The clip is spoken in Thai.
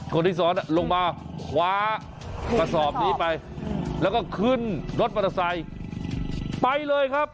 คนที่ซอดลงมาขวากระซอบนี้ไปแล้วก็ขึ้นรถมันทรายไปเลยครับ